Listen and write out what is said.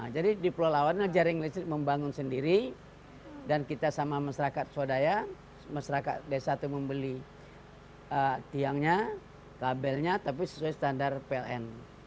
jadi di pulau lawan jaring listrik membangun sendiri dan kita sama masyarakat swadaya masyarakat desa itu membeli tiangnya kabelnya tapi sesuai standar pln